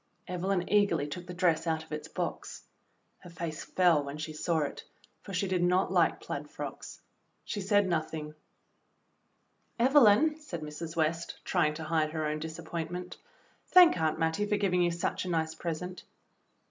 Evelyn eagerly took the dress out of its box. Her face fell when she saw it, for she did not like plaid frocks. She said nothing. "Evelyn," said Mrs. West, trying to hide her own THE PLAID DRESS 35 disappointment, "thank Aunt Mattie for giving you such a nice present."